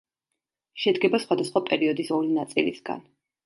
შედგება სხვადასხვა პერიოდის ორი ნაწილისაგან.